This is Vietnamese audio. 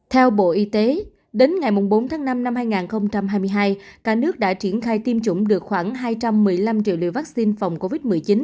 theo bộ y tế đến ngày bốn tháng năm năm hai nghìn hai mươi hai cả nước đã triển khai tiêm chủng được khoảng hai trăm một mươi năm triệu liều vaccine phòng covid một mươi chín